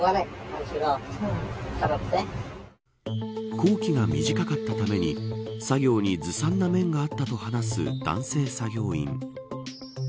工期が短かったために作業にずさんな面があったと話す男性作業員。